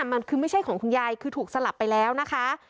มันคือไม่ใช่ของคุณยายคือถูกสลับไปแล้วนะคะ